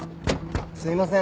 すいません。